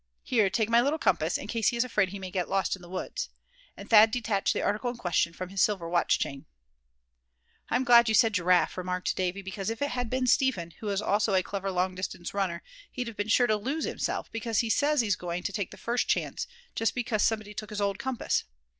Here, take my little compass, in case he is afraid he may get lost in the woods," and Thad detached the article in question from his silver watch chain. "I'm glad you said Giraffe," remarked Davy; "because if it had been Step hen, who is also a clever long distance runner, he'd have been sure to lose himself, because he says he's going to take the first chance, just because somebody took his old compass.